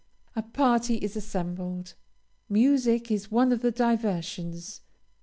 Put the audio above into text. A party is assembled music is one of the diversions.